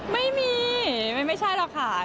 ไม่มีไม่ใช่หรอกค่ะ